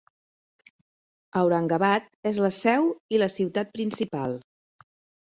Aurangabad és la seu i la ciutat principal.